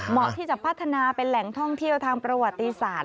เหมาะที่จะพัฒนาเป็นแหล่งท่องเที่ยวทางประวัติศาสตร์